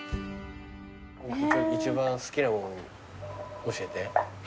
大木君一番好きなもん教えて。